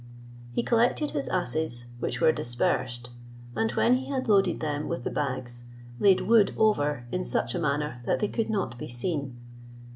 He collected his asses, which were dispersed, and when he had loaded them with the bags, laid wood over in such a manner that they could not be seen.